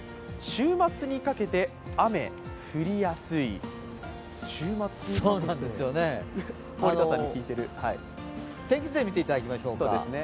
週末にかけてそうなんですよね、天気図で見ていただきましょうか。